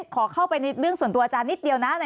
ขอเข้าไปในเรื่องส่วนตัวอาจารย์นิดเดียวนะ